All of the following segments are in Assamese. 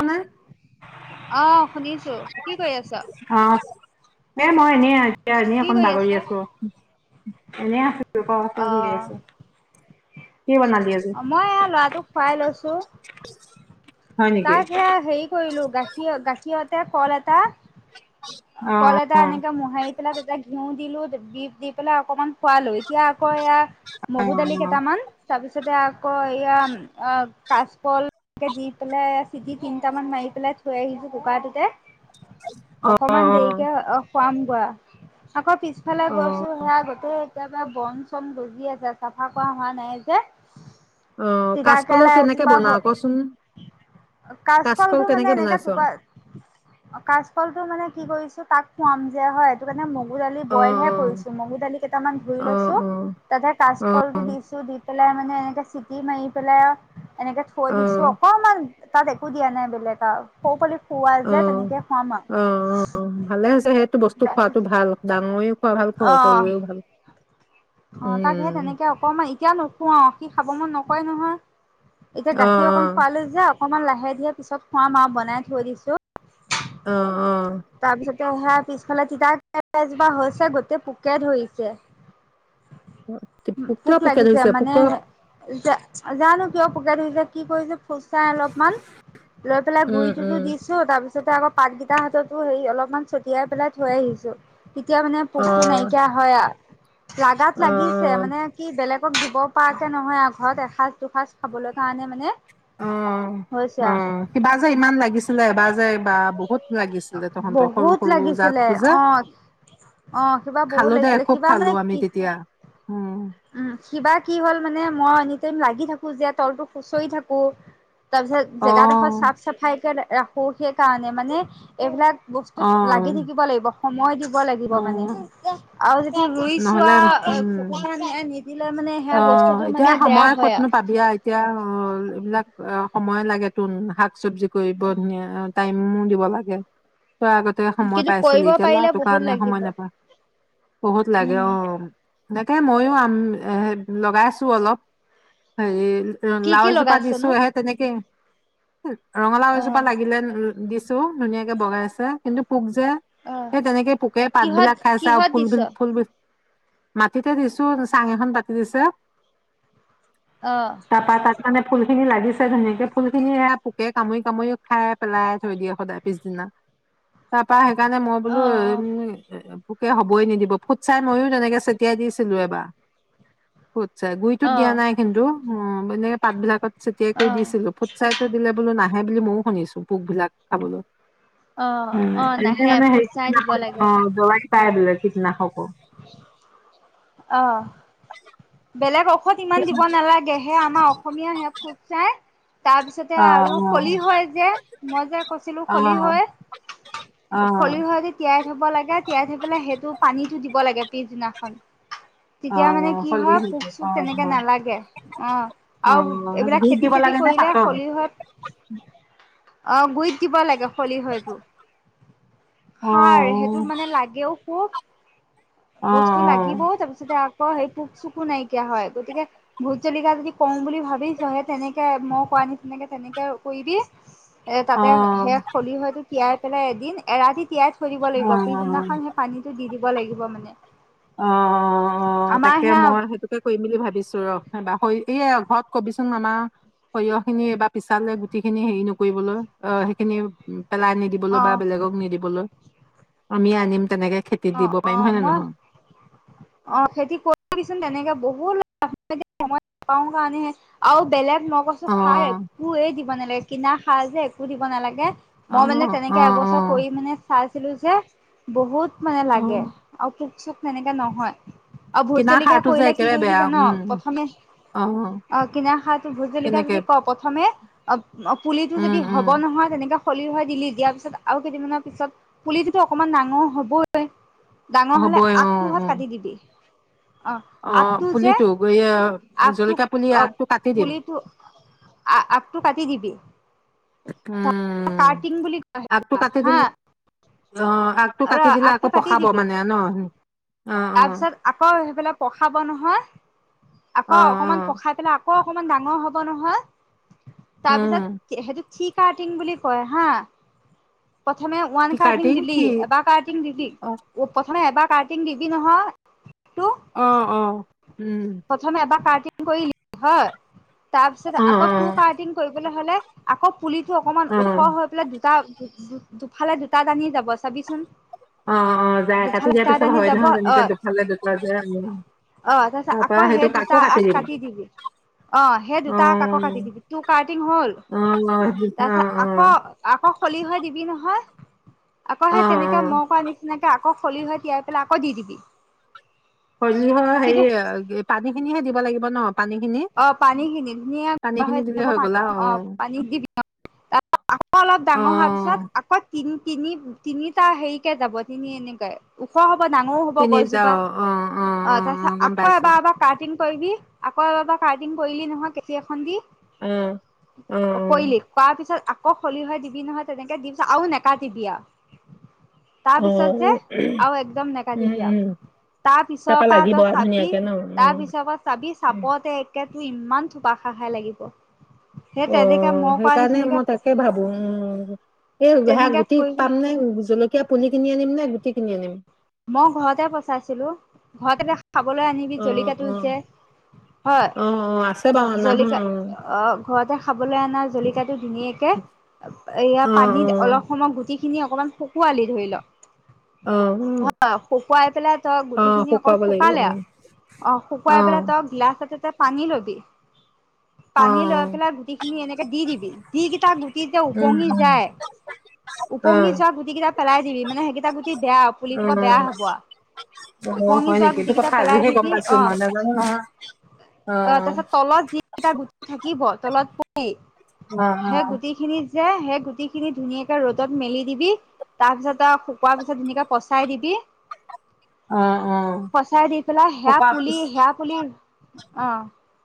অ আহ শুনিছো কি কৰি আছ? দে মই এনেই এয়া এনে কি এখন কৰি আছ? বাগৰি আছো এনেই আছো ক তই অ', কি কৰি আছ মই লৰাটোক খোৱাই লৈছো হয় নেকি তাৰ পৰা হেৰি কৰিলো গাখীৰ গাখীৰত তে কল এটা অ কল এটা অ এনেকে মোহাৰি পেলাই তাতে ঘিউ দিলো দি দি পেলাই অকমান খোৱালো এতিয়া আকৌ এয়া অ মগু দালি কেইটামান তাৰপিছতে আকৌ এয়া কাচকলকে দিম বোলে চিটি তিনিটা মান মাৰি পেলাই থৈ আহিছো কুকাৰটোতে অ অকমান দেকে অ খোৱাম বোৱা আকৌ পিছফালে অ গৈছোঁ সেয়া গোটেই কেতিয়াবা বন চন গজি আছে চাফা কৰা হোৱা নাই যে অ তিতা কাচকলহ কেৰেলা কেনেকে এজোপা হ বনাও কচোন কাচকল কাচকলটো মানে কেনেকে এনেকাে বনাইছ টুকুৰা কাচকললটো মানে কি কৰিছো তাক খোৱাম যে হয় এইটো কাৰণে ম মগু দালি অ বইল হে কৰিছোঁ মগু দালি কেটামান ধুই অ অ লৈছো অ তাতে অ কাঁচকলটো দি চিটি মাৰি পেলাই আৰু এনেকে থৈ অ দিছোক অমান তাত একো দিয়া নাই বেলেগ সৌ পালি খুৱোৱা অ অ যে তেনেকে খুৱাম আৰু সেটো বস্তু খোৱাতটো ভাল ডাঙৰেও খোৱা ভাল অ', সৰুৱেও ভাল অ তাক সেই উম তেনেকে অকমান এতিয়া নোখোৱাও সি খাব মন নকয় নহয় এতিয়া অ গাখীৰ অকণ খোৱাই লৈ যাক অকমান লাহে দিয়ে পিছত খোৱাম আৰু বনাই থৈ দিছো অ অ তাৰপিছত সেয়া পিছফালে তিতাকেৰেলা এজোপা হৈছে গোতেই পোকে ধৰিছে। কিয় পোক পোকে লাগিছে ধৰিছে পোক মানে জা জানো কিয় পোক ই যে কি কয় যে খুচাই অলপমান লৈ পেলাই উম উম গুৰিটোতো দিছো তাৰপিছত তাপা আকৌ পাতকেইটা হাতত ত হেৰি অলপমান ছটিয়াই পেলাই থৈ আহিছো তেতিয়া মানে পোকটো অ নাইকিয়া হয় লাগাত অ'। লাগিছে মানে কি বেলেগ তোক দিব পৰাকৈ নহয় আৰু ঘৰত এসাঁজ দুসাঁজ খাবলৈ কাৰণে মানে অ হৈছে অ আ কিবা যে ইমান লাগিছিলে এবাৰ যে বা বহুত লাগিছিলে তহঁতৰ সৰু বহুত সৰু লাগিছিলে জাতটো যে অ অ শিবা খালো বহুত দে লাগিছিলে খুব শিবা খালো মানে আমি কি তেতিয়া উম, উম শিবা কি হ'ল মানে মই এনি টাইম লাগি থাকো যে তলতো খুচৰি থাকো তা পাছত যেগা দখৰ অ', চাফ চাফাই কে ৰাখো সেইকাৰণে মানে এইবিলাক বস্তুত লাগি অ', থাকিব লাগিব সময় দিব দিব লাগিব মানে। অ', আৰু যেতিয়া ৰুই নহ'লে চোৱা ফক উম, মে অ', এতিয়া সময় আৰু কতনো পাবিযা এতিয়া অ', এইবিলাক অ', সময়ে লাগে তুন শাক চবজি কৰিব ধুনীয়া টাইমো দিব লাগে। তই আগতে সময় কিন্তু পাইছিলি কৰিব এতিয়া পাৰিলে লৰাটোৰ বহুত কাৰণে লাগিব সময় নাপা বহুত লাগে। উম অ', এনেকে ময়ো আম এ লগাইছো অলপ, হেৰি উ, কি কি লাওজোপা লগাইছনো দিছোহে তেনেকে অ ৰঙালাওজোপা লাগিলে। দি ধুনীয়াকে বগাই আছে কিন্তু পোক যে, অ সেই তেনেকে পোকে পাত কিহত বিলাক খাইছে আৰু কিহত ফুল দিছ বি ফুল বি মাটিতে দিছো চাং এ খন পতি দিছে। আহ, তাৰপা তাত মানে ফুল খিনি লাগিছে ধুনীয়াকে ফুল খিনি সেয়া পোকে কামুৰি-কামুৰি খাই পেলাই থৈ দিয়ে। সদায় পিছদিনা তাৰ পৰা সেইকাৰণে মই অ অ বোলো উ পোকটা, হ'বই নিদিব ফুট চাই ময়ো তেনেকে ছটিয়াই দিছিলো এবাৰ। ফুটচাই গুৰিতো অ দিয়া নাই কিন্তু উম, এনেকে পাত বিলাকত চটিয়াই অ কৰি দিছিলো ফুটচাই টো দিলে বোলো না হে বুলি ময়ো শুনিছো পোকবিলাক খাবলৈ। অ উম, অ এনে নাহে ফুট মানেই চাই দিব দৰব পাই বোলে। কীটনাশকো। আহ, বেলেগক ঔষধ। খত ইমান দিব নালাগে হে' আমাৰ অসমীয়া হে ফুট চাই তাৰপিছতে অ', আৰু শলিহৈ যে, মই যে কৈছিলো, অ', অ', অ', অ', শলিহৈ-শলিহৈ যে তিয়াই থ'ব লাগে তিয়াই থৈ পেলাই সেইটো পানীটো দিব লাগে। পিছদিনাখন। অ, তেতিয়া মানে কি হয় পোক চোক তেনেকে নালাগে অ', আৰু অ', এইবিলাক গুৰিত খেতি দিব চেতি লাগে নে কৰিলে পাতত? খলিহৈ অ', গুৰিত দিব লাগে হলি খলিহৈটো। অ', সাৰ সেইটো অ', মানে লাগেও খুব বস্তু লাগিব অ', তাৰপিছতে অ সেইটো পোক চুকো নাইকিয়া হয় গতিকে ভোত জলকীয়া যদি কম বুলি ভাবিছহে তেনেকে মই কোৱা নিচিনেকে তেনেকে কৰিবি এ অ', তাতে শেষ খলি হয়তো তিয়াই পেলাই এদিন এৰাতি তিয়াই থৈ দিব লাগিব অ', অ'। পিছদিনাখন সেই পানীটো দি দিব ব লাগিব মানে আমাৰ এ সেয়া মই সেইটোকে কৰিম বুলি ভাবিছো ৰহ নাই বা হৈ এই ঘৰত কবিচোন আমাৰ সৰিয়হ খিনি এবাৰ পিছালে গুটি খিনি হেৰি নকৰিবলৈ অ সেইখিনি পেলাই নিদিবলৈ অ বা বেলেগক নিদিবলৈ আমি আনিম তেনেকে খেতিত অ দিব অ পাৰিম হয় নে মই নহয় অ খেতি কৰিবিচোন তেনেকে বহুত সময় নাপাওঁ কাৰণেহে আৰু বেলেগ মই কৈছো সাৰ অ', একোৱে দিব নালাগে কিনা সাৰ যে একো দিব নালাগে মই মানে অ', তেনেকে অ', এবছৰ অ', কৰি মানে চাইছিলোঁ যে বহুত মানে লাগে অ', আৰু পোক চোক তেনেকে নহয় অ ভোত কিনা জলকীয়া সাৰটো যে কৰিলে কি একেবাৰে কৰিবি বেয়া জান উম, প্ৰথমে অ কিনাৰ সাৰটো ভোজ জলকীয়া কেনেকে যদি ক প্ৰথমে অ পুলিটো উম, যদি উম, হব নহয় তেনেকে খলিহ হৈ দিলি দিয়াৰ পিছত আৰু কেইদিনমানৰ পিছত পুলিটোতো অকনমান ডাঙৰ হবই হয় ডাঙৰ হ'লে হ'বই অ', আগটো হত অ', কাটি দিবি অ অ', আগটো যে পুলিটো গৈ আগটো জলকীয়া পুলি অ আগটো কাটি দিম পুলিটো আগটো কাটি দিবি উম, কাৰ্টিং বুলি কয় আগটো হেইটো কাটি হা দিলে অ আগতটো কাটি দিলে আকৌ পখাব মানে ন অ', তাৰ অ', পিছত আকৌ সেইফালে পখাব নহয় অ', আকৌ অকমান অ', পখাই পেলাই আকৌ অকমান ডাঙৰ হ'ব নহয় উম, তাৰপিছত সেইটো থিকাৰ্টিং বুলি কয় হা প্ৰথমে ওৱান কি কাৰ্টিং দিলি কি? এবাৰ কাৰ্টিং দিলি অ', প্ৰথমে এবাৰ কাৰ্টিং দি বি নহয় অ অ উম, প্ৰথমে এবাৰ কাৰ্ট কাৰ্টিং কৰিলি হয় তাৰ পিছত অ', আকৌ তো অ', কাৰ্টিং কৰিম হলে আকৌ পুলিটো অকণমান অ', ওখ হৈ পেলাই দুটা দুফালে দুটা টানি যাব চাবিচোন অ অ যায় কাটি দুফালে দিয়াৰ দুটা পিছত দানি হয় যাব নহয় অ তেনেকে দুফালে দুফা যায় আৰু অ তাৰপিছত তাৰপা আকৌ সেই দুটা আগ কাটি দিবি অ সেই অ', দুটা আগ আকৌ কাটি দিবি তো কাটিং হল অ', অ', তাৰ পিছত আকৌ অ', আকৌ খলিহৈ দিবি নহয় আকৌ অ', সেই তেনেকে অ', মই কৰা নিচিনাকে আক আকৌ খলিহ তিয়াই পেলাই আকৌ দি দিবি খলিহ কিন্তু সেৰি পানী খিনিহে দিব লাগিব ন পানীখিনি? অ পানীখিনি ধুন পানীখিনি দিলে যাব হৈ গ'ল আৰু অ পানী দিব আকৌ অলপ ডাঙৰ হোৱাৰ পিছত অ', আকৌ তি তিনি তিনিটা হেৰিকে যাব তিনি এনেকে ওখ হব ডাঙৰ হ'ব তিনিটা গছজোপা অ', অ', অ তাৰপাছত গম আকৌ পাইছোঁ। এবাৰ এবাৰ কাক্টিং কৰিবি আকৌ এবাৰ কাক্টিং কৰিলি নহয় কেচি এখন দি অ', অ', অ'। কৰিলি কৰাৰ পিছত আকৌ খলিহ দিবি নহয় তেনেকে দিব পেলাই আৰু নেকাতিবি আৱ তাৰ পিছত যে অ', আৰু একদম উম, নকাটিবি উম, তাৰ পিছৰ তাৰপা পৰা লাগিব তই আৰু চাবি ধুনীয়াকে ন? তাৰ উম। পিছৰ পৰা চাবি উম। চাপতে ইমান থোপা খায় খায় লাগিব সেই অ তেনেকে মই কৰা সেইকাৰণে নিচিনাকে মই তাকে ভাবো উম এইা তেনেকে গুটি কৰিবি পাম নে জলকীয়া পুলি কিনি আনিম নে কিনি আনিম মই ঘৰতে পচাইছিলো ঘৰতে দেখা খাবলৈ আনিবি অ', জলকীয়াটো অ', যে হয় অ', অ', আছে বাৰু অনা হয় জলকীয়া অ', অ ঘৰতে খাবলৈ অনা জলীকাটো ধুনীয়াকে এয়া অ', পানীত অ'। অলপ সময় গুটি খিনি অকমান শকোৱালি ধৰি লওক অ অ অ শুকুৱাই পেলাই তই গুটি অ', খিনি অকল শুকুৱাব লাগিব শুকালে উম, আৰু অ শুকুৱাই পেলাই অ', তই গিলাচ এটা পানী লবি পানী লৈ অ'। পেলাই গুটি খিনি এনেকে দি দিবি যিকেইটা গুটি যে উম, ওপঙি উম, যায় ওপঙি অ', যোৱা গুটি কেইটা পেলাই দিবি মানে সেইকেইটা গুটি বেয়া পুলি সোপা বেয়া হব আৰু উম অ উপঙি হয় যোৱা নেকি গুটি সেইটো কেইটা কথা পেলাই আজিহে গম দিবি পাইছো অ মই নাজানো নহয় তাৰ গুটি থাকিব তলত পী অ', সেই গুটিখিনি যে সেই গুটি খিনি ধুনীয়াকে ৰ'দত মেলি দিবি তাৰ পিছত শুকোৱা পিছত ধুনীয়াকে পচাই দিবি অ', অ', অ', পচাই দি পেলাই হেয়া শুকোৱাৰ পুলি পিছত হেয়া পুলি অ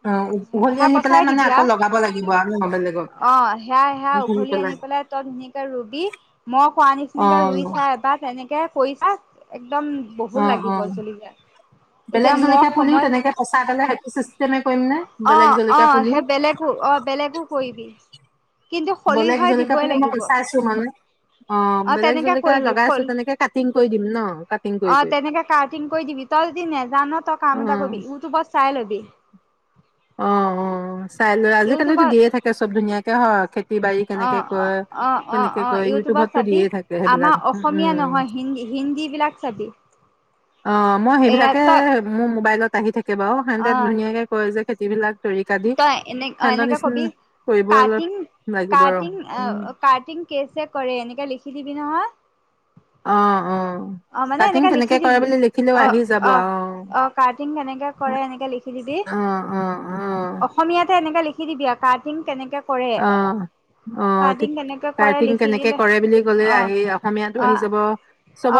অ', উ উঘলি সেয়া আনি পেলাই পচাই মানে দিবি আকৌ আ লগাব লাগিব আৰু ন' বেলেগত অ সেয়া সেয়া উঘলি আনি পেলাই তই ধুনীয়াকে ৰুবি মই কোৱা নিচিনাকে ৰুই অ', চা এবাৰ তেনেকে পইচাক একদম বহুত অ', লাগিব অ', জলকীয়া এতিয়া বেলেগ মই জলকীয়া পুলিও সময় ভ তেনেকে ফচাই পেলাই সেইটো চিষ্টেমে কৰিম নে অ বেলেগ অ জলকীয়া পুলিও সেই বেলেগো অ বেলেগো কৰিবি কিন্তু বেলেগ খলিহৈ জলকীয়া দিবই বুলি মই লাগিব পচাই আছো মানে অ বেলেগ তেনেকে জলকীয়া কৰিবি লগাইছো খল তেনেকে কাটি অ তেনেকে কটিং কৰি দিবি তই য নেজান তই কাম এটা অ', কৰিবি ইউটোবত চাই লবি অ অ চাই লৈ আজিকালি‌ টো ইউটিউবত দিয়ে থাকে চব ধুনীয়াকে হয় খেতি খেটি বালি কেনেকে অ' অ' অ' অ' অ' কৰে ইউটিউবত টো চাবি দিয়ে থাকে আমাৰ অসমীয়া নহয় হিন্দী হিন্দী বিলাক চাবি। অ মই এয়া সেইবিলাকে তই মোবাইলত আহি থাকে সিহতে অ ধুনীয়াকে কয় যে খেতিবিলাক তৰিকা দি তই এনে সেহতৰ এনেকাে নিচিনা কবি কৰিব অলপ কাটিং লাগিব ৰ কাটিং উম কাটিং কেচে কৰে এনেকে লিখি দিবি নহয় অ অ অ মানে কাটিং এনেকাে লিখি কেনেকে কৰে দিবি বুলি লিখিলেও অ আহি যাব অ অ কাটিং কেনেকে কৰে এনেকে লিখি দিবি অ অ অ অসমীয়াতে এনেকে লিখি দিবি কাটিং কেনেকে কৰে অ অ কাৰ্টিং কেনেকে কৰে কাটিং লিখি কেনেকে দিলে কৰে বুলি কলে অ আহি অসমীয়াতটো অ আহি যাব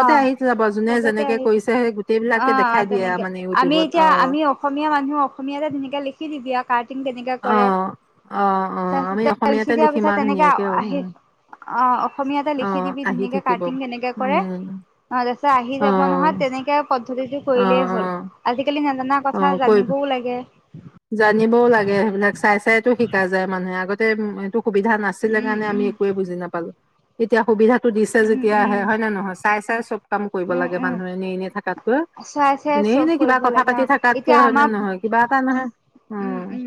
অ আহি যাব যোনে চবতে যেনেকে আহিছে কৰিছে সেই অ গোটেইবিলাকে দেখাই দিয়ে আৰু তেনেকে মানে আমি ইউটিউবত এতিয়া অ আমি অসমীয়া মানুহ অসমীয়াতে ধুনীয়াকে লিখি দিবি কাট অ অ অ আমি তাৰপিছতে লিখি অসমীয়াতে দিয়াৰ লিখিম পিছত আৰু তেনেকে ধুনীয়াকে অ আহি অ', - অ', অসমীয়াতে অ লিখি দিবি আহি ধুনিয়াকে থাকিব কাটিং কেনেকে কৰে। উম তাৰপিছত আহি অ যাব নহয় তেনেকে পদ্ধতিটো অ কৰিলেই অ হ'ল আজিকালি জা নাজানা অ কথা কৰিম জানিবও লাগে। টো শিকা যায় মানুহে আগতে উ', সুবিধা নাছিলে উম, কাৰণে আমি উম, একোৱে বুজি নাপালো। এতিয়া সুবিধা তো ', দিছে উম, যেতিয়া উম। আহে হয় নে নহয়? চাই- চাই চব কাম কৰিব উম, লাগে উম, মানুহে এনে এনে থকাতকৈ চাই চাই এনেই চব নে কিবা কৰিব কথা লাগে পাতি অ', থকাতকৈ এতিয়া হয় নে আমাৰ নহয় কিবা এটা নহয় উম', - উম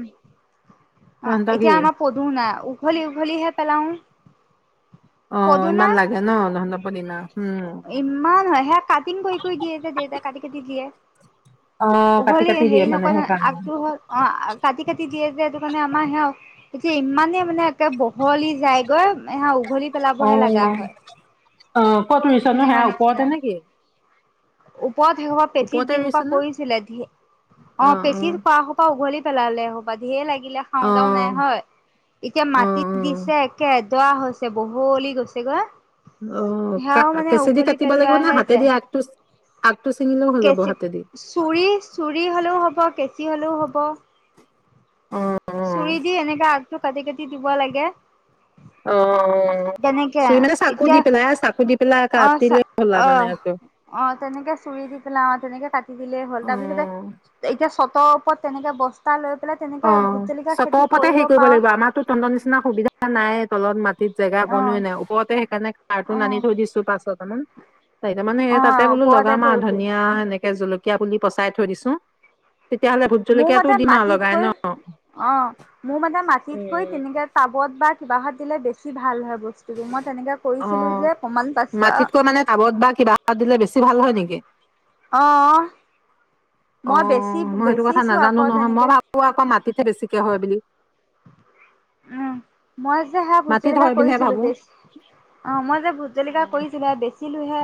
', তহঁতৰ এতিয়া কি আমাৰ পদু নাই উঘলি- উঘলিহে পেলাও। অ পদুনা, ইমান লাগে ন তহঁতৰ পদিনা উম ইমান আহে কাটিং কৰি- কৰি দিয়ে যে দেউতাই কাটি -কাটি দিয়ে। অ কাটি উভলি কাটি দিয়ে হেৰি', মানে নকৰে সেইকাৰণে আগটো হল অ', কাটি -কাটি দিয়ে যে সেইটো কাৰণে আমাৰ সে এতিয়া ইমানেই মানে একে বহলি যায়গৈ এয়া', উঘলি অ পেলাবহে ', লগা ইমান হয়। অ', কত ৰুইছা তেনেকুৱা সেয়া ওপৰতে নেকি? পথ সসোপা পেটিত ওপৰতে দিসোপা ৰুইছে নে? কৰিছিলে ধিয়ে অ', পেটিত খোৱা সোপা উঘলি পেলালে হব ধে লাগে। দিলে খাওঁ দাও নাই অ', হয় এতিয়া অ', মাটি অ', দিছে একে যোৱা হৈছে বহলি গৈছে গৈ। অ', কা', কেঁচিদি কাটিব লাগিব ন', পেলোৱাহে হাতেদি যায় আগটো আগটো ছিঙিলেও হৈ যাব কেঁচি, হাতেদি? চুৰি -চুৰি হলেও হ'ব, কেঁচি হলেও হ'ব। অ', অ', চুৰি দি এনেকাে আগটো কাটি -কাটি দিব লাগে। অ', তেনেকে চুৰি মানে চাকু এতিয়া দি পেলাই চাকু দি পেলাই অ', কাটিলে চ', হ'ল আৰু মানে আহ', আকৌ। অ', তেনেকে চুৰি দি পেলাই অ', তেনেকে কাটি দিলেই হ'ল, তাৰ পিছতে অ', এতিয়া চ তৰ ওপৰত তেনেকে বস্তা লৈ পেলাই তেনেকে ভোট অ', জলকীয়া চপৰ খেতি ওপতে হেৰি কৰিব পাৰ লাগিব আমাৰতো তহঁতৰ নিচিনা সুবিধা নাই তলত মা টিত জেগা অ বনোৱে নাই ওপৰতে সেইকাৰণে কাৰটো অ নানি থৈ দিছো পাছত চামন চাৰিটা মানে অ তাতে বোলো ওপৰতে লগাম আৰু কৰিবি ধনিয়া সেনেকে জলকীয়া পুলি পচাই থৈ দিছো তেতিয়াহ'লে ভোট মোৰ জলকীয়াাতটো মতে দিম অলপ মাটিতকৈ মোৰ মানে মাটিতকৈ তেনেকে তাবত কিবাত দিলে বেছি ভাল হয় বস্তুবোৰ মই তেনেকে অ কৰিছিলো যে প্ৰমাণ পাইছো আৰু মাটিতকৈ মানে টাবত বা কিবা এটা দিলে বেছি ভাল হয় নেকি অহ অ মই সেইটো কথা নাজানো আকৌ নহয় মই তেনেকে ভাবো আকৌ মাটিতহে বেছিকে হয় বুলি উম মই যে সেয়া ভোট মাটিত জলিকা হয় বুলিহে কৰিছিলো ভাবো। বেছ অ মই যে ভোট জলিকা অ', কৰিছিলো হে বেছ ছিলোহে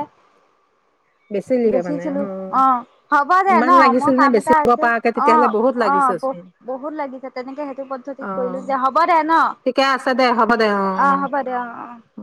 বেচিলিহে মানে বেচিছিলো অ হ'ব দে ইমান ন মোৰ লাগিছিল নে কাম এটা বেচিব আছে পৰাকে অ তেতিয়াহ'লে বহুত অ লাগিছে বহ চোন। বহুত লাগিছে তেনেকে সেইটো পদ্ধতিত কৰিলো অ', যে হ'ব দে ন ঠিকে আছে দে হ'ব দে অ হ'ব দে অ', অ উ